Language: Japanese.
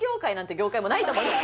業界もないと思います